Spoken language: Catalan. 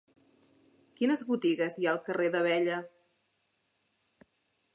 Quines botigues hi ha al carrer d'Abella?